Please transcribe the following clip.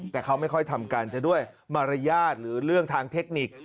แต่เขาไม่ค่อยทำการจะด้วยมารยาทหรือเรื่องทางเทคนิค